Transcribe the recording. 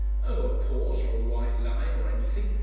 "Oh! a pause or a white line or anything.